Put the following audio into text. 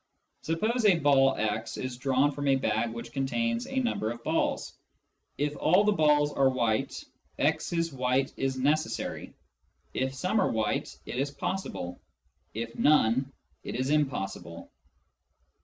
Suppose a ball x is drawn from a bag which contains a number of balls : if all the balls are white, " x is white " is necessary ; if some are white, it is possible ; if none, it is impossible.